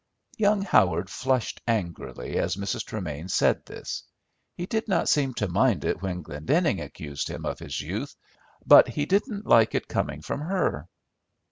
Young Howard flushed angrily as Mrs. Tremain said this. He did not seem to mind it when Glendenning accused him of his youth, but he didn't like it coming from her.